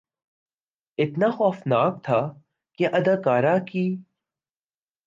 اتنا خوفناک تھا کہ اداکارہ کی